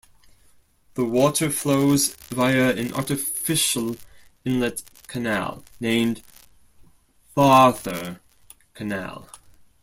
The water flows via an artificial inlet canal, named Tharthar Canal.